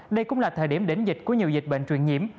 đây cũng là thời điểm đỉnh dịch của nhiều dịch bệnh truyền nhiễm